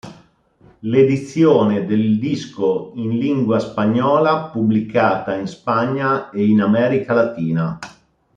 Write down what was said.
L'edizione del disco in lingua spagnola pubblicata in Spagna e in America Latina